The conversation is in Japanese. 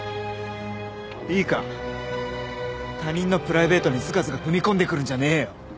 いいか他人のプライベートにズカズカ踏み込んで来るんじゃねえよ。